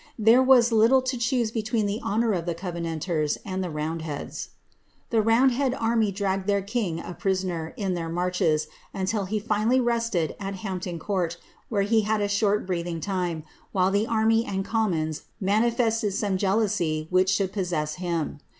There was little to choose between the honour of the covenanters and the nnind lieads. The roundhead army dragged their king a prisoner, in their narchei, until he finally rested at Hampton Court, where he had a short breathing time, while the army and commons manifested some jealooay whidi should possess him.